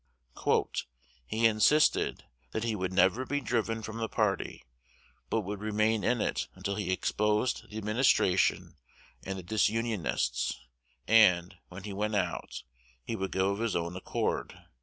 "He insisted that he would never be driven from the party, but would remain in it until he exposed the administration and the Disunionists; and, when he went out, he would go of his own accord.